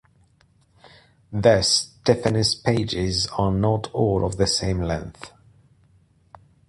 Thus Stephanus pages are not all of the same length.